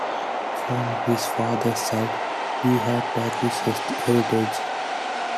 From his father's side, he had Turkish heritage.